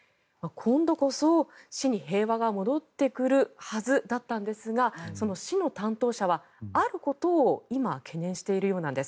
今度こそ市に平和が戻ってくるはずだったんですがその市の担当者はあることを今、懸念しているようなんです。